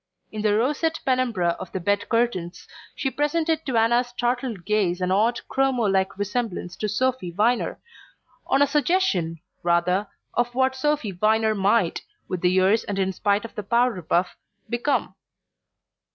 In the roseate penumbra of the bed curtains she presented to Anna's startled gaze an odd chromo like resemblance to Sophy Viner, or a suggestion, rather, of what Sophy Viner might, with the years and in spite of the powder puff, become.